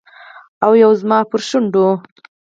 او یو زما پر شونډو